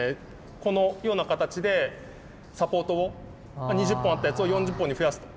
このような形でサポートを２０本あったやつを４０本に増やすと。